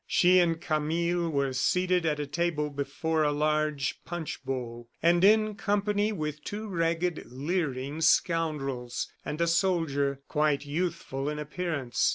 She and Camille were seated at a table before a large punch bowl, and in company with two ragged, leering scoundrels, and a soldier, quite youthful in appearance.